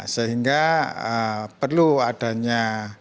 sehingga perlu adanya